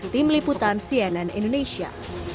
tim liputan cnn indonesia